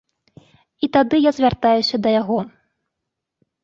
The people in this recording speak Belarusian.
І тады я звяртаюся да яго.